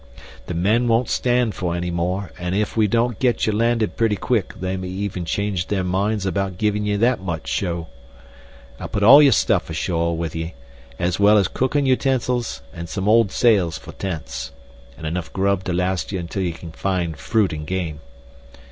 "The men won't stand for any more, and if we don't get ye landed pretty quick they may even change their minds about giving ye that much show. I'll put all yer stuff ashore with ye as well as cookin' utensils an' some old sails for tents, an' enough grub to last ye until ye can find fruit and game.